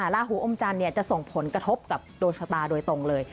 ลาหูอมจันทร์จะส่งผลกระทบกับดวงชะตาโดยตรงเลย